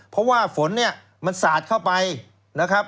เพราะว่าฝนเนี่ยมันสาดเข้าไปนะครับ